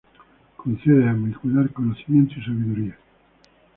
Concede a mi cuidar conocimiento y sabiduría.